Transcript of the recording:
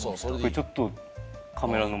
ちょっと。